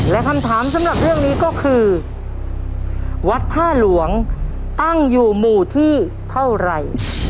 และคำถามสำหรับเรื่องนี้ก็คือวัดท่าหลวงตั้งอยู่หมู่ที่เท่าไหร่